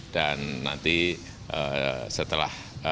dan nanti setelah